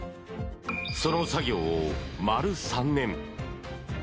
その作業を丸３年。